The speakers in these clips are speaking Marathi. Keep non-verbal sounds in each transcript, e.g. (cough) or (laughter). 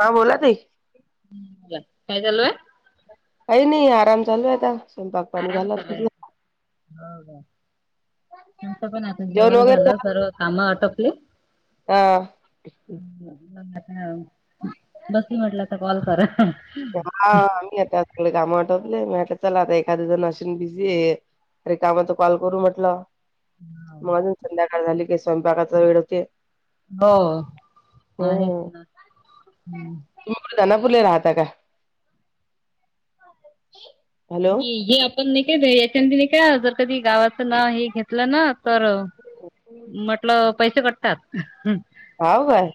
ह बोला ताई बोला काय चालू आहे.? काही नाही आराम चालू आहे आता स्वयंपाक पाणी आराम झालं. (unintelligible) चालू आहे. तुमचं? हो का आमच पण आता जेवण झालं सर्व काम आटोपली. हा. हा बसली म्हटलं आता कॉल करा हा आम्ही (unintelligible) आता कामं आटोपली. मले म्हटलं चला आता एखादे जण असेन, बिझी हे तरी कामाचा कॉल करू म्हटलं. हम (unintelligible) चहा झाले की स्वयंपाकाचा वेळ होते. हो आहेच हम्म ना हम्म. खानापूरले राहता का? हॅलो ही ही पण नई (unintelligible) याच्यामध्ये नाही का जर कधी गावाचं नाव हे घेतलं ना, तर म्हटलं पैसे कटतात. हाव काय?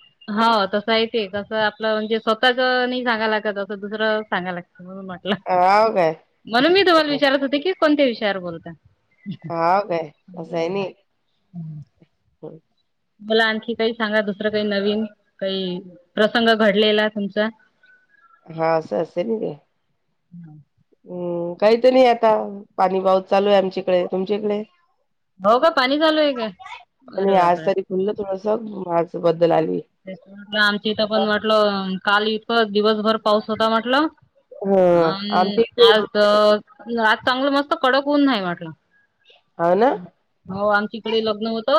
अस आहे ते कसं आपलं म्हणजे, स्वतःच नाही सांगाला लागत असं दुसरं सांगाय लागत. म्हणून म्हटलं हाव काय म्हणून मी तुम्हाला, विचारत होते की कोणत्या विषयावर बोलताय. हाव काय अस आहेनी. (unintelligible) हो. मला आणखी काही सांगा दुसरं काही नवीन काही प्रसंग घडलेला तुमचा? हा असं असते ना, ते (unintelligible) हुं काहीत नाही आता पाणी पाऊस चालू आहे, आमच्याकडे तुमच्याकडे? हो का पाणी चालू आहे का अरे आणि आज बापरे तरी खुललं थोडस माझं ते म्हटलं आमच्या इथं पण म्हटलं काल इतकं दिवसभर पाऊस होता म्हटलं. हं, आमच्या इकडे हो (unintelligible) चांगलं मस्त कडक होऊन नाही वाटलं, हां ना? हो आमच्याकडे लग्न हो त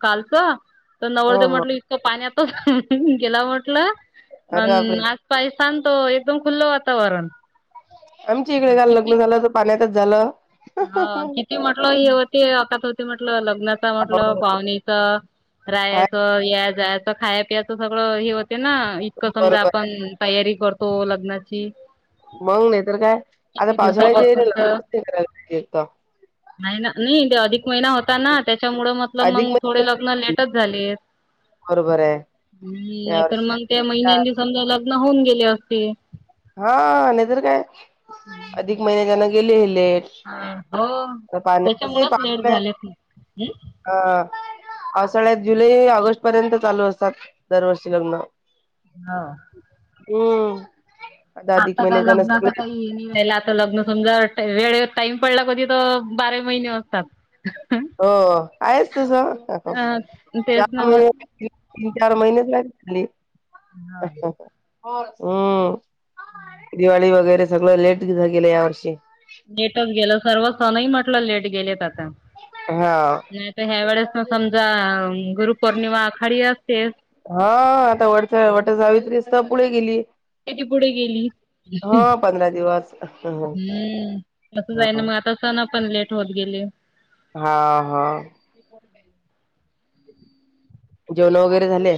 कालचं तर हो, नवरदेव हो. म्हटलं इतकं पाण्यातच आताच गेला म्हटलं. अरे बापरे! अन् आज पायस्तान तर एकदम खुल्ल वातावरण. आमच्या इकडे काल लग्न झालं तर पाण्यातच झालं. हा हो, किती म्हटलं हे होती अकात होती म्हटलं लग् नता म्हटल पाहूणीच आहे रायाचं या जायच खाय पियाचं सगळं हे होत. ते ना, इतकं समजा बरोबर आहे. आपण तयारी करतो लग्नाची मग नाही तर काय आता किती पावसाळ्याचे दिवसापासून (unintelligible) तर लगच करायला पहिजे एकत नाही ना, नाही ते अधिक महिना होता ना, त्याच्यामुळ मतल मग अधिक थोडे लग्न महिन्यात लेटच झालेत. बरोबर आहे. हम्म या नाहीतर वर्षी मंग अधिक त्या महिना महिन्यानी समजा लग्न होऊन गेले असते. हा नाहीतर काय अधिक महिन्या त्यांना गेले. तेज हो पा पाणी (unintelligible) त्याच्यामुळेच लेट झालेत हम्म. ह पावसाळ्यात जुलै ऑगस्ट पर्यंत चालू असतात दरवर्षी लग्न. हा. होम (unintelligible) आता काय लग्नाच काही नाही ला. लग्न समजा टा वेळ टाइम पडला कधी तर बारा महिने असतात. हो आहेच तसं अ च तेच नव्ह. तीन चार महिनेच लागले झाले अ हा. (unintelligible) हम्म दिवाळी वगैरे सगळं लेट गेलं या वर्षी. लेटच गेलं सण ही म्हटलं लेट गेलेत आता. हा नाही तर ह्या वेळेस ना समजा गुरुपौर्णिमा आखाडी असते. हा आता वटचा वट सावित्रीस तर पुढे गेली. किती पुढे गेली हा पंधरा दिवस हम्म कस जाय ना हा मला आता सण पण लेट होत गेले. हा हा. जेवण वगैरे झाले.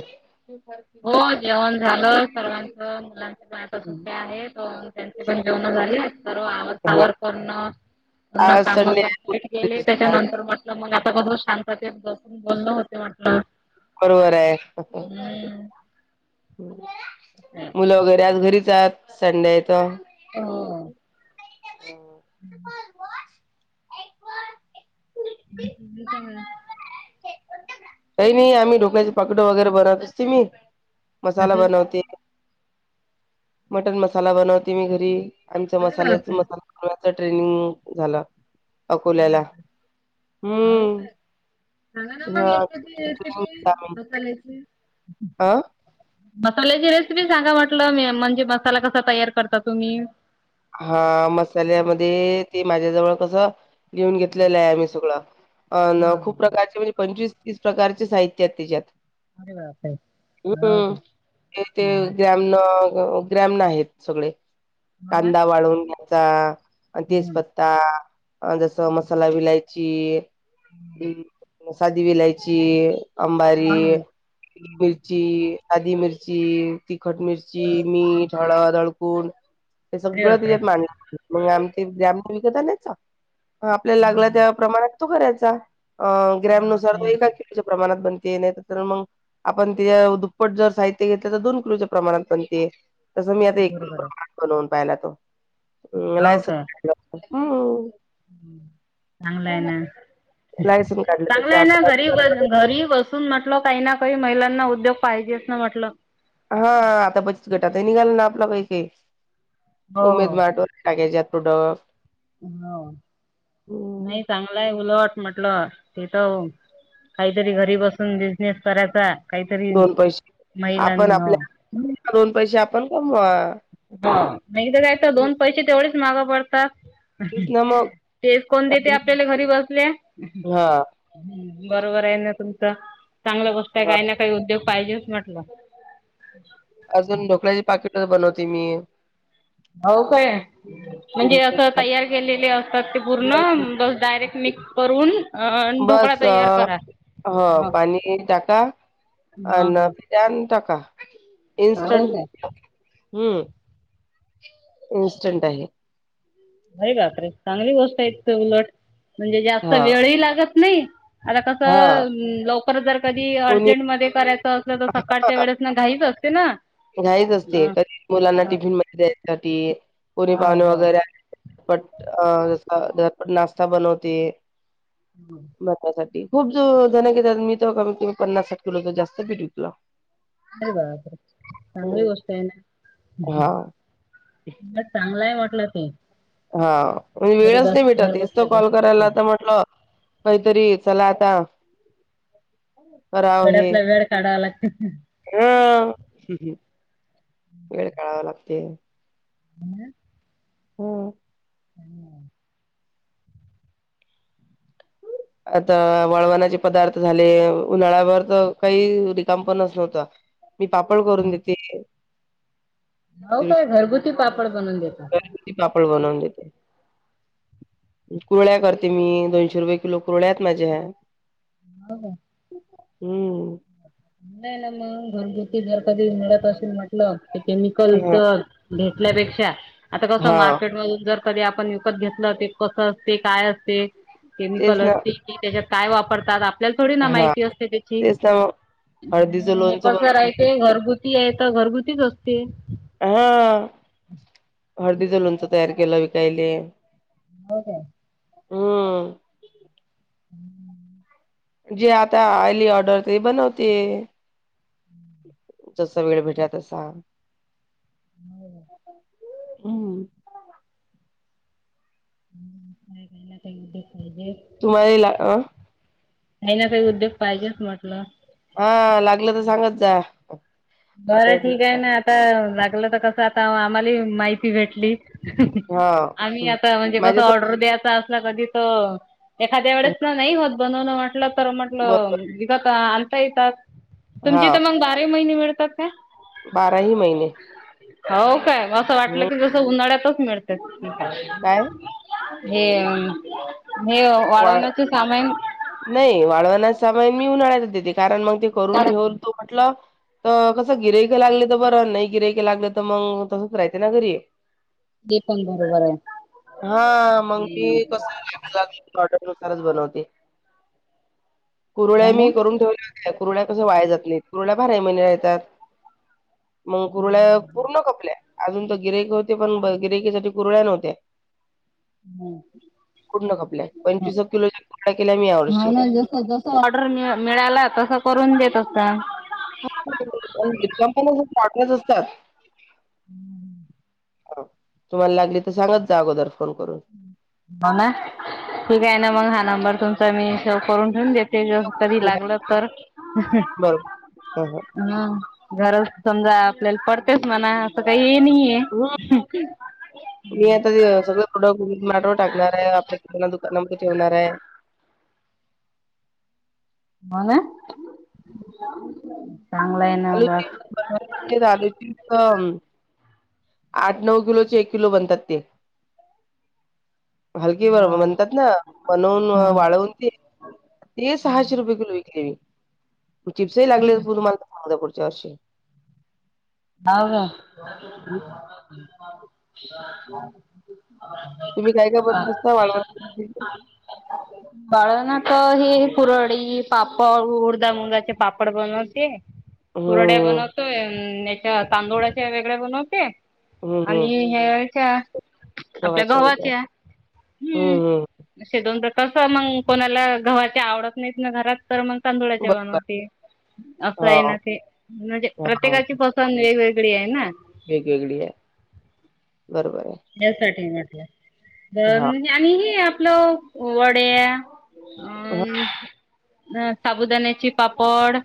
हो जेवण झालं सर्वांच. मुलांचे पण आता सुट्टे आहे त्यांचे पण जेवण झाले तर आवा सावर करण (unintelligible) पण आज काम (unintelligible) संडे कलीट गेली त्याच्यानंतर म्हटलं मग सग शांतसून बोलण होते म्हट (unintelligible) लं बरोबर आहे हं हं. मुलं वगैरे आज घरीच आहात संड्यायच. ह हो. ह त काग (unintelligible) काही नाही आम्ही ढोक्याची पाकड वगैरे बनवत मी. मसाला कशाचे बनवते मटन मसाला बनवते मी घरी. आमच्या अरे मसाल्या बापरे मसालाच ट्रेनिंग झालं. अकोल्याला हम्म. हग ना हा मगेत मकालच (unintelligible) अ मसाल्याची रेसिपी सांगा म्हटलं मी म्हणजे मसाला कसा तयार करता तुम्ही? हा मसाल्यामध्ये ते माझ्याजवळ कस घेऊन घेतलेलं आहे, आम्ही सगळं अ हा ना हा खूप हा. प्रकारचे म्हणजे पंचवीस तीस प्रकारचे साहित्य त्याच्यात. अरे बापरे हो का हम्म ते ते तेआमना ग्रॅमन आहेत सगळे बोला. कांदा वाळून घ्यायचा. अ तेजपत्ता जसं मसाला विलायची अ साधी विलायची हा अंबारी होय. हम्म. मिरची आधी मिरची तिखट मिरची मीठ हळद हळकुण ते अरे सगळं बापरे त्याच्यात मांड मग आमचे ग्रामण विकत नाहीच आपल्याला हा लागला हा त्या प्रमाणात तो करायचा ग्रॅम हा नुसार तो तयार एका करा. किलोच्या प्रमाणात बन ते नाही तर मग आपण ति दुप्पट जर साहित्य घेतलं तर दोन किलोच्या प्रमाणात पण ते तसं मी आता हो एक किलो बरोबर आहे प्रमाण बनवून पाहियला तो. हो काय हम्यनम् चांगलं आहे ना (unintelligible) चांगलं आहे, ना घरी ब घरी बसून म्हटल काही ना काही महिलांना उद्योग पाहिजे असं म्हटलं. हा आता बचत गटात निघाल ना आपलं काही काही. हो उमेद हो मार टो (unintelligible) हो नाही चांगलंय उलट. म्हटलं तिथ काहीतरी घरी बसून बिझनेस करायचा. काहीतरी दोन पैसे आपण महिलांनी हो आपल्या दोन पैसे आपण कमवा. दा काय तर दोन पैसे तेवढेच माग पडता. हम तेच ह ना मग तेेस कोण देते आपल्याला घरी बसल्या. हा बरोबर आहे, ना तुमचं चांगलं मस्त आहे, हा काय ना काही उद्योग पाहिजेच म्हटलं. अजून ढोकळ्याची पाकिट बनवते मी. हो काय. म्हणजे अस तयार केलेले असतात ते पूर्ण बस डायरेक्ट मिक्स करून. अ आणि ढोकळा बस तयार अ करा ह पाणी टाका ह ह अन टका हो काय इन्स्टंट हम्म इन्स्टंट आहे अरे बाप रे चांगली गोष्ट एक उलट म्हणजे जास्त हा वेळही लागत नाही. आता हा कसं लवकर जर कधी कोणी अर्जंटमध्येध्ये करायचं अस तर सकाळच्या वेळेस ना घाईच असते ना घयच असते अ कधी मुलांना अ टिफिन मध्ये द्यायसाठी कुणी हो पावने हो वगैरे झटपट अ जस झटपट नाश्ता बनवते मसासाठी खूप जण घ मी तर कमी कमी पन्नास साठ किलो जास्त पीठ विकलं अरे बार चांगली गोष्टत आहे ना हा मला चांगलाय म्हटलं तू हा म्हजे वेळच नाही घर भेटत एक तर बसल्या कॉल बिसल्या करायला तर म्हटलं काहीतरी चला आता बेळातला वेळ काढावा लागत हा वेळ काळावा लागते हम्म होम हम्म आता वळवणाचे पदार्थ झाले उन्हाळ्यावर तर काही रिकाम पणच नव्हत मी पापड करून देते हो काय घरगुती पापड बनवून देतो. हो रती पापड बनवून देते कुरळ्या करते मी दोनशे रुपये किलो कुरळ्यात माझ्या्या हो का हम्म नाही नाही न म घर घती घरकध म्हट केमिकल हा घल्यापेक्षा आता कस हा मार्केट म कधी आपण विकत घेतलं ते कसं असते काय असते. तेच मिकल ना अस की त्याच्यात काय वापरतात. आपल्या थोडी ना हा माहिती असते त्याची तेच ना मग हळदीचं हे लोणचं कसं बनवते मी. राह घरगुती, घरगुतीच असते. हा हळदीचं लोणच तयार केलं विकायले. हो का! हम्म! हम्म जे आता आली ऑर्डर त बनवते जसा वेळ भेटा तसा हम्म हम् का कायला त (unintelligible) तुम्हाला ला अ काही ना काही उद्योग पाहिजेच म्हटलं हा लागलं तर सांगत जा बरं ऑर्डर ठीक आहे ना आता लागलं तर कसं आता आम्हाला माहिती भेटली हा आम्ही हम्म आता म्हणजे कस माझ्या तर ऑर्डर द्यायचा असला कधी त एखाद्या वेळेस ना नाही होत बनवण म्हटलं तर म्हटलं बरोबर विवा का आणता येतात हा तुमची तर मग बारा महिने मिळतात का बाराही महिने हो काय असं वाटलं हम्म की जस उन्हाळ्यातच मिळते. काय हे हे वाळ वाढवण्याचं सामान. नाही वाळवण्यात मी उन्हाळायचे कारण मग ते करून ठेवून तो म्हटलं, तर कसं गिरायकं लागले तर बरं नाही गिरायक लागलं तर मग तसंच राहयचं ना घरी ये, ते पण बरोबर हा मग मी आहे कस ला (unintelligible) (unintelligible) कुरुळ्या मी म्हणून करून ठेवल्या होत्या. पुरला कसं वाया जात नाही पुरला भाराही महिने राहतात. मग कुरुळ्या पूर्ण खपल्या. अजून तर गिरयक होते पण गिरयकीसाठी कुरळ्या नव्हत्या. कुठ न खपल्या. एक किलोच्या कुरड्या केल्या मी यावर्षी. ऑर्डर मिळाला तस करून देत. ह. (unintelligible) तुम्हाला लागली तर सांगत जा अगोदर, फोन करून. हो ना ठीक आहे ना मग हा नंबर तुमचा मी स करून ठेऊून देते. ते ज कधी लागलं तर बरोबर. हां, हां. हम्. घर समजा आपल्याला पडतेच म्हणा असं काही, नाहीये हम् मी आता ते सगळं ड माटो टाकणार आहे आपल्या किना दुकानामध्ये ठेवणार आहे. हो ना चांगलं आहे ना बा आलूची आलुचीम, आठ नऊ किलोचे एक किलो बनतात ते, हलकी बर हा म्हणतात ना बनवून हम्म वाळवून ती, ते सहाशे रुपये किलो विकले चिप्सही लागले तुम्हाला सांगदा पुडत. चशीशी. हव का? तुम्ही काय काय ब नसता वाढवा. बाळण तर हे कुरडी पापड उर्दा मुंगाचे पापड बनवते. पुुरड्या हम्म बनवतोय याच्या तांदूळाच्या वेगळ्या बनवते. हम्म हम्म आणि हेच्या आपल्या गव्हाच्या वेगळ्या गवाच्या. हम्म हम्म हम्मे दोन तर कस मग कोणाला गव्हाची आवडत नाहीत ना घरात. तर मग तांदुळाचे बरोबर बनवते, असा आहे हा ना ते, म्हणजे हा प्रत्येकाचे वेगवेगळे आहे ना! वेगवेगळी आहे. बरोबर आहे यासाठी हा म्हटलं आणि हे आपलं वड्या अ हा अ साबुदाण्या्याची पापड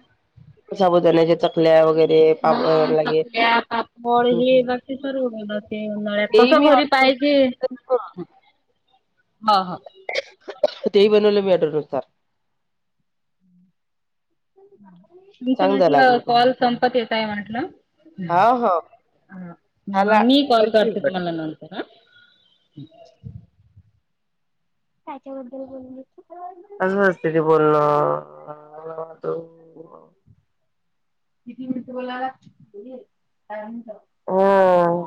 साबुदाण्याच्या चकल्या वगैरे हा पाप लागे चकल्या पापड हे बाकी सर्व बनवत उन्हाळ्यात तेही तस मी घरी ऑर्डर पाहि (unintelligible) (inaudible) हा हा. तेबनल मी ऑर्डरनुसार. तुमचं म्हटलं कॉल तुम्हाला संपत येतय म्हटलं, हा हा त्याला मग मी कॉल करतोय करते कट. तुम्हाला नंतर हा. त्याबद्दल असंते बोलणला वात. तिती मि बला. होम.